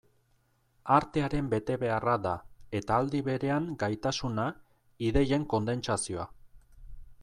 Artearen betebeharra da, eta aldi berean gaitasuna, ideien kondentsazioa.